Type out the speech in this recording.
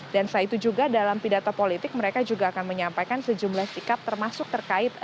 dan setelah itu juga dalam pidato politik mereka juga akan menyampaikan sejumlah sikap termasuk terkait